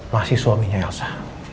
masih suaminya elsa